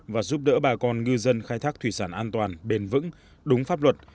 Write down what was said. và giúp đỡ bà con ngư dân khai thác thủy sản an toàn bền vững đúng pháp luật